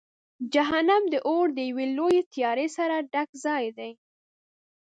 جهنم د اور د یوې لویې تیارې سره ډک ځای دی.